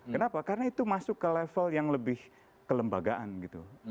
kenapa karena itu masuk ke level yang lebih kelembagaan gitu